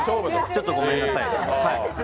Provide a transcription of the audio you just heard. ちょっとごめんなさい。